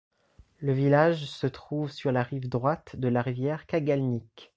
Le village se trouve sur la rive droite de la rivière Kagalnik.